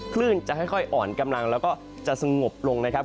คลื่นจะค่อยอ่อนกำลังแล้วก็จะสงบลงนะครับ